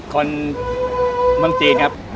คนเมืองจีนครับ